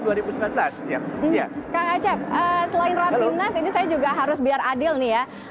kang acep selain rapimnas ini saya juga harus biar adil nih ya